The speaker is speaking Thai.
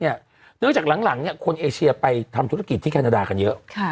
เนี้ยหลังหลังเนี่ยคนเอเชียไปทำธุรกิจที่แคนดากันเยอะค่ะ